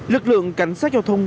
lực lượng cảnh sát giao thông